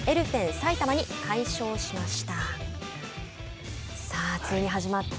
埼玉に快勝しました。